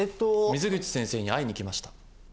水口先生に会いに来ました。